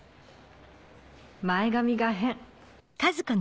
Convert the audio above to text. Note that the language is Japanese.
前髪が変。